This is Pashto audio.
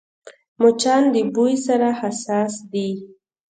مچان د بوی سره حساس دي